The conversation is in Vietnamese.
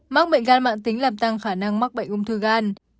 mắc bệnh gan mạng tính làm tăng khả năng mắc bệnh ung thư gan